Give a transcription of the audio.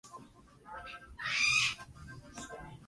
Allí estudió y se revela su talento para el dibujo.